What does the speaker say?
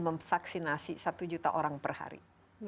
memvaksinasi satu juta orang per hari